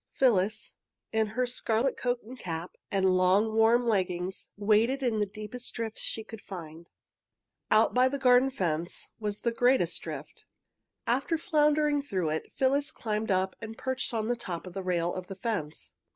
Phyllis, in her scarlet coat and cap, and long, warm leggings, waded in the deepest drifts she could find. Out by the garden fence was the greatest drift. After floundering through it, Phyllis climbed up and perched on the top rail of the fence.